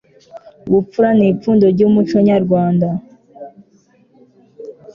ubupfura ni ipfundo ry'umuco nyarwanda